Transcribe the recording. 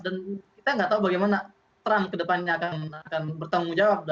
dan kita nggak tahu bagaimana trump kedepannya akan bertanggung jawab